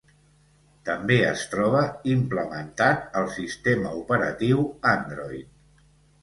També es troba implementat al sistema operatiu Android.